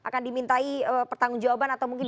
akan dimintai pertanggung jawaban atau mungkin